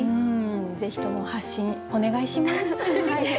ぜひとも発信お願いします。